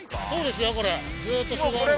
そうですよ